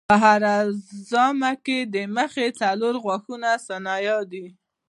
په هره ژامه کې د مخې څلور غاښه ثنایا دي.